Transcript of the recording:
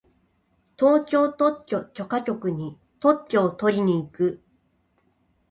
東京特許許可局に特許をとりに行く。